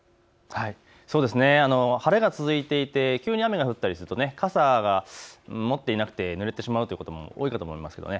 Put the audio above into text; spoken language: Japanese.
晴れが続いていて急に雨が降ったりすると傘を持っていなくてぬれてしまうという方も多いかと思います。